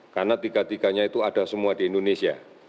karena tiga tiganya itu ada semua di indonesia